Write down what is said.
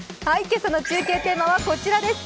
今朝の中継テーマはこちらです。